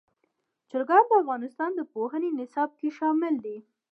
چرګان د افغانستان د پوهنې نصاب کې شامل دي.